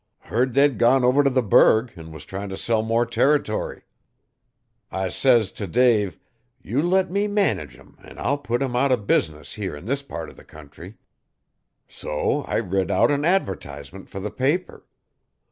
Heard they'd gone over t' the 'Burg an' was tryin' t' sell more territory. I says if Dave, "You let me manage 'em an' I'll put 'em out o business here 'n this part o' the country." So I writ out an advertisement fer the paper.